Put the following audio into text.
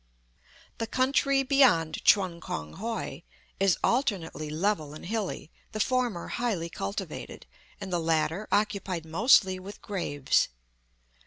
The country beyond Chun Kong hoi is alternately level and hilly, the former highly cultivated, and the latter occupied mostly with graves.